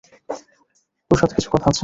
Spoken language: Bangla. তোর সাথে কিছু কথা আছে।